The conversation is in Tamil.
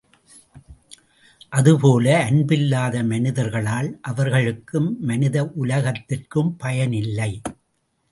அதுபோல அன்பில்லாத மனிதர்களால் அவர்களுக்கும் மனித உலகத்திற்கும் பயனில்லை.